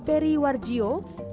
bahwa dia juga menjadi dosen